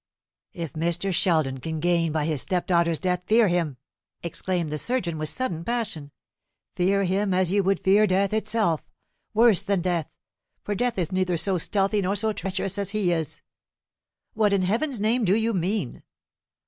"If Mr. Sheldon can gain by his stepdaughter's death, fear him!" exclaimed the surgeon, with sudden passion; "fear him as you would fear death itself worse than death, for death is neither so stealthy nor so treacherous as he is!" "What in Heaven's name do you mean?"